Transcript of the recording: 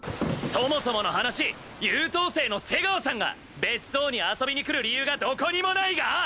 そもそもの話優等生の瀬川さんが別荘に遊びに来る理由がどこにもないが！？